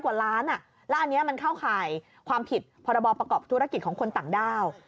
เพราะว่าอันนี้มันเข้าข่ายความผิดพรบประกอบธุรกิจของคนต่างดาว